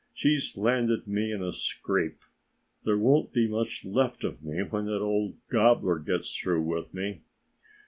She's landed me in a scrape. There won't be much left of me when that old gobbler gets through with me."